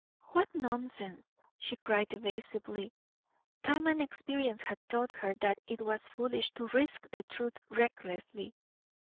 "What nonsense," she cried evasively; time and experience had taught her that it was foolish to risk the truth recklessly.